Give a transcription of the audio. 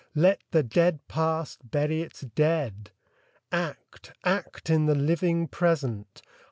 Let the dead Past bury its dead ! Act, — act in the living Present